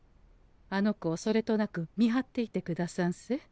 あの子をそれとなく見張っていてくださんせ。